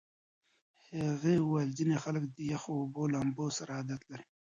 هغې وویل ځینې خلک د یخو اوبو لامبو سره عادت لري.